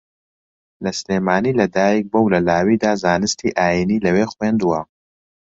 لە سلێمانی لەدایکبووە و لە لاویدا زانستی ئایینی لەوێ خوێندووە